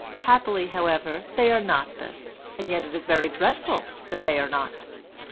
Happily, however, they are not this, and yet it is very dreadful that they are not.